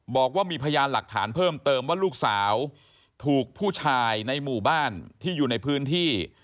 บอกว่ามีพยานหลักฐานเพิ่มเติมว่าลูกสาวถูกผู้ชายในหมู่บ้านที่อยู่ในพื้นที่